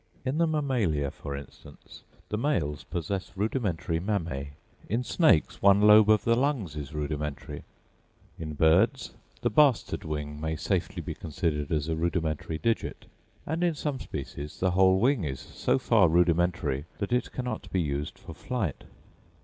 In the mammalia, for instance, the males possess rudimentary mammæ; in snakes one lobe of the lungs is rudimentary; in birds the "bastard wing" may safely be considered as a rudimentary digit, and in some species the whole wing is so far rudimentary that it cannot be used for flight.